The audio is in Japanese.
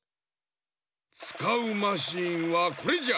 つかうマシンはこれじゃ。